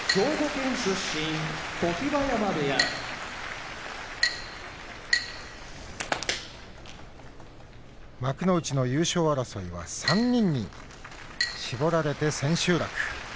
常盤山部屋幕内の優勝争いは３人に絞られて千秋楽。